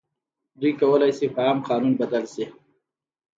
دوی کولای شي په عام قانون بدل شي.